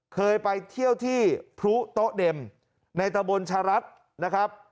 เคยไปเที่ยวที่พลุโต๊ะเด็มในตะบนชะรัฐนะครับ